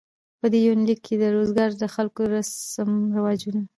په دې يونليک کې د روزګان د خلکو رسم رواجونه